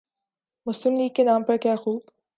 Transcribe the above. مسلم لیگ کے نام پر کیا خوب